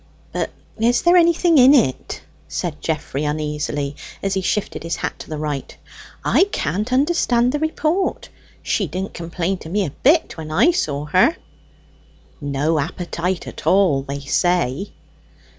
"But is there anything in it?" said Geoffrey uneasily, as he shifted his hat to the right. "I can't understand the report. She didn't complain to me a bit when I saw her." "No appetite at all, they say."